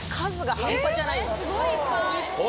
すごいいっぱい。